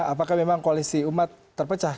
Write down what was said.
apakah memang koalisi umat terpecah